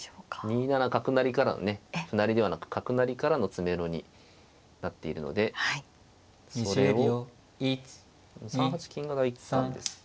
２七角成からのね歩成りではなく角成りからの詰めろになっているのでそれを３八金が第一感ですけどね。